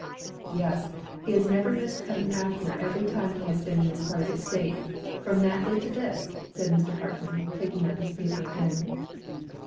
"Yes, he has never missed coming out here every time he has been in this part of the State, from that day to this," said Mr. Hartmann, taking up his paper again.